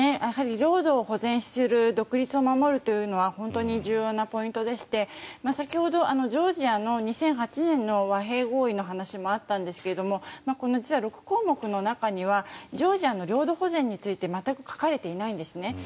やはり領土を保全している独立を守るというのは本当に重要なポイントでして先ほどジョージアの２００８年の和平合意の話もあったんですがこの６項目の中にはジョージアの領土保全について全く書かれていないんですね。